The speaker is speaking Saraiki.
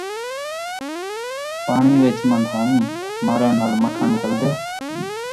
پاݨی وچ مندھاݨی مارݨ نال مکھݨ نکلدے؟